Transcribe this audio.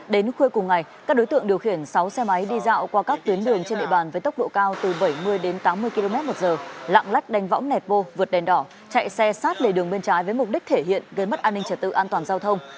đến khuya cùng ngày các đối tượng điều khiển sáu xe máy đi dạo qua các tuyến đường trên địa bàn với tốc độ cao từ bảy mươi đến tám mươi km một giờ lạng lách đánh võng nẹt vô vượt đèn đỏ chạy xe sát lề đường bên trái với mục đích thể hiện gây mất an ninh trật tự an toàn giao thông